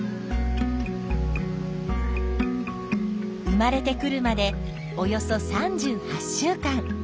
生まれてくるまでおよそ３８週間。